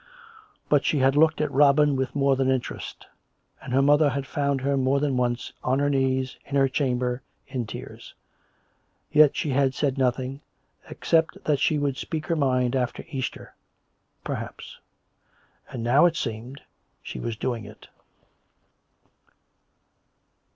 But she had looked at Robin with more tlian interest; and her mother had found her more than once on her knees in her own chamber, in tears. Yet she had said notliing, except that she would speak her mind after Easter, perhaps. And now, it seemed, she was doing it.